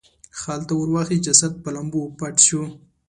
خلته اور واخیست جسد په لمبو پټ شو.